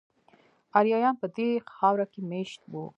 آریایان په دې خاوره کې میشت وو